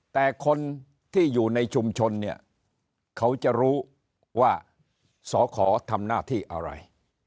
แต่คนที่อยู่ในชุมชนเนี่ยเขาจะรู้ว่าสอขอทำหน้าที่อะไร